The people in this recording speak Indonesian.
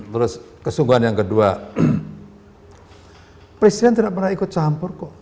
terus kesungguhan yang kedua presiden tidak pernah ikut campur kok